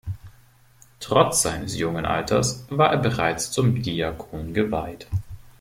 Trotz seines jungen Alters war er bereits zum Diakon geweiht.